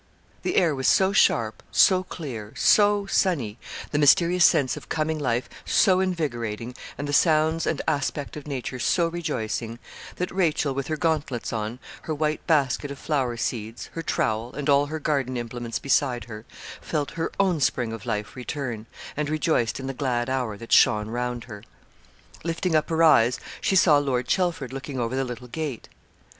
The air was so sharp, so clear, so sunny, the mysterious sense of coming life so invigorating, and the sounds and aspect of nature so rejoicing, that Rachel with her gauntlets on, her white basket of flower seeds, her trowel, and all her garden implements beside her, felt her own spring of life return, and rejoiced in the glad hour that shone round her. Lifting up her eyes, she saw Lord Chelford looking over the little gate.